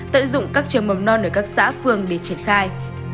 tận dụng các trường mầm non ở các xã phường để triển khai